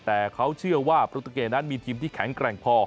แต่เขาเชื่อว่าโปรตูเกนั้นมีทีมที่แข็งแกร่งพอ